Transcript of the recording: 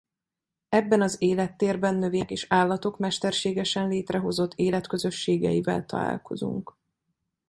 Ebben az élettérben növények és állatok mesterségesen létrehozott életközösségeivel találkozunk.